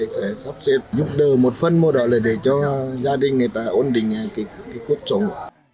sẽ giúp đỡ một phần mô đỏ để cho gia đình người ta ổn định cuộc sống